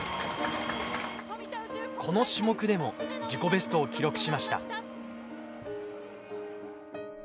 この種目でも自己ベストを記録しました